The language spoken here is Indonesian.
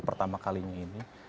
pertama kalinya ini